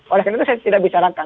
oleh karena itu saya tidak bicarakan